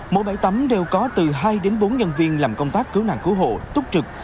mỗi bãi tắm đều có từ hai đến bốn nhân viên làm công tác cứu nạn cứu hộ túc trực